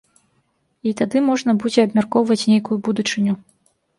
І тады можна будзе абмяркоўваць нейкую будучыню.